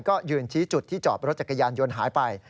ก็ยืนชี้จุดที่จอบรถจักรยานยนต์หายไป